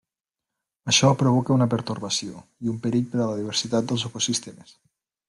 Això provoca una pertorbació i un perill per a la diversitat dels ecosistemes.